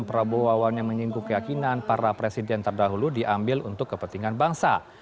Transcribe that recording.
prabowo awalnya menyinggung keyakinan para presiden terdahulu diambil untuk kepentingan bangsa